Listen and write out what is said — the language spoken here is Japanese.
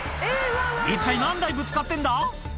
一体、何台ぶつかってんだ？